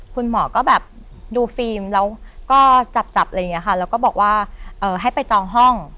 คุณหมอก็ดูฟิล์มแล้วก็จับแล้วก็บอกว่าให้ไปจองห้อง